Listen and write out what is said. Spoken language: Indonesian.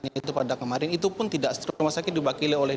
yang itu pada kemarin itu pun tidak seterusnya rumah sakit dibakili oleh